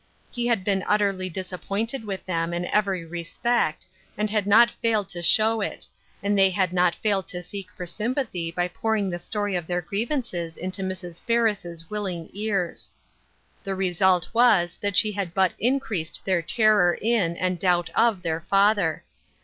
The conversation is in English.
He had been utterly disap pointed with them in every respect, and he had not failed to show it, and they had not failed to seek for sympathy by pouring the story of their griev ances into Mrs. Ferris' willing ears. The result was that she had but increased their terror in and doubt of their father.